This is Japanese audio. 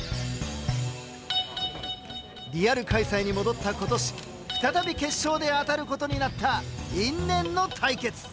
リアル開催に戻った今年再び決勝で当たることになった因縁の対決。